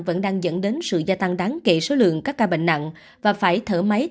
vẫn đang dẫn đến sự gia tăng đáng kể số lượng các ca bệnh nặng và phải thở máy